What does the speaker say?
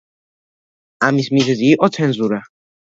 ამის მიზეზი იყო ცენზურა.